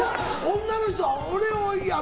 女の人は俺を。